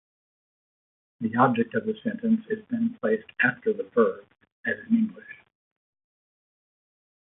The object of the sentence is then placed after the verb, as in English.